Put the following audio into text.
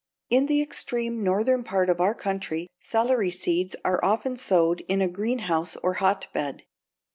= In the extreme northern part of our country, celery seeds are often sowed in a greenhouse or hotbed.